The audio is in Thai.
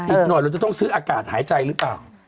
อีกหน่อยเราจะต้องซื้ออากาศหายใจหรือเปล่า